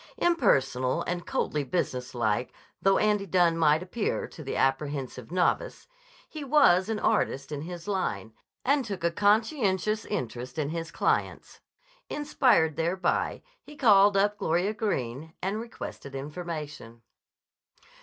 Impersonal and coldly business like though Andy Dunne might appear to the apprehensive novice, he was an artist in his line, and took a conscientious interest in his clients. Inspired thereby, he called up Gloria Greene and requested information.